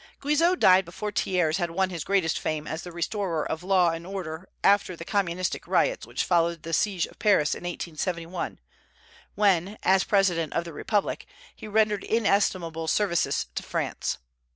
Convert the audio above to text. Guizot died before Thiers had won his greatest fame as the restorer of law and order after the communistic riots which followed the siege of Paris in 1871, when, as President of the Republic, he rendered inestimable services to France.